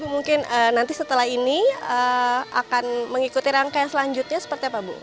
mungkin nanti setelah ini akan mengikuti rangkaian selanjutnya seperti apa bu